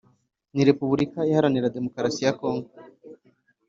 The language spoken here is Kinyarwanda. ni republica iharanira demukarasi ya congo